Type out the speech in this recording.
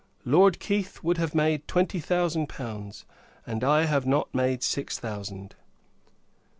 Lord Keith would have made twenty thousand pounds, and I have not made six thousand.